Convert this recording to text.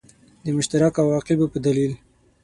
د مشترکو عواقبو په دلیل.